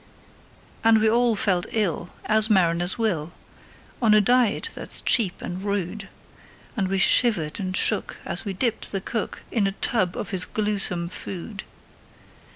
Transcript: And we all felt ill as mariners will, On a diet that's cheap and rude; And we shivered and shook as we dipped the cook In a tub of his gluesome food.